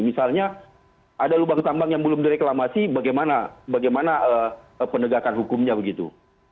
misalnya ada lubang tambang yang belum direklamasi bagaimana penegakan hukumnya begitu